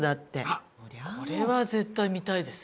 あっこれは絶対見たいですよね。